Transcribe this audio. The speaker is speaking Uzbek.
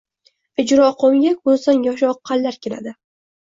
— Ijroqo‘mga ko‘zidan yoshi oqqanlar keladi.